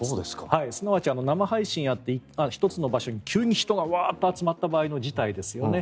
すなわち生配信をやっていて１つの場所に急に人が集まった場合の事態ですよね。